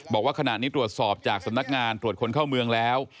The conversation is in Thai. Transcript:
บอกว่าขณะนี้ตรวจสอบจากสำนักงานตรวจคนเข้าเมืองแล้ว